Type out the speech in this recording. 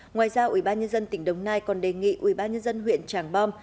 ngoài ra ủy ban nhân dân tỉnh đồng nai còn đề nghị ủy ban nhân dân huyện tràng bom